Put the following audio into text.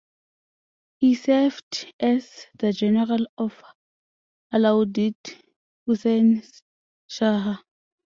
He served as the General of Alauddin Husain Shah.